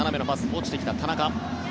落ちてきた田中。